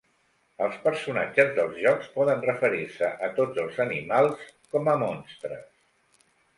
Els personatges dels jocs poden referir-se a tots els animals com a "monstres".